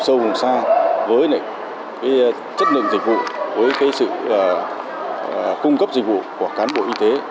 sâu vùng xa với chất lượng dịch vụ với sự cung cấp dịch vụ của cán bộ y tế